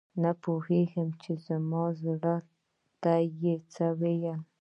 نه پوهیږم چې زما زړه ته یې څه وویل؟